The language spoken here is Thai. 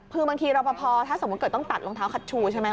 คือบางทีรอปภถ้าสมมุติเกิดต้องตัดรองเท้าคัชชูใช่ไหม